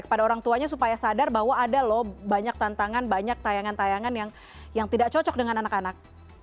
kepada orang tuanya supaya sadar bahwa ada loh banyak tantangan banyak tayangan tayangan yang tidak cocok dengan anak anak